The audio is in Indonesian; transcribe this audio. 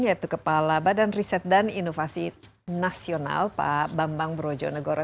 yaitu kepala badan riset dan inovasi nasional pak bambang brojonegoro